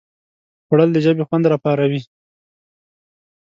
خوړل د ژبې خوند راپاروي